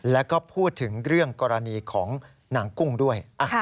แล้วก็พูดถึงเรื่องกรณีของนางกุ้งด้วย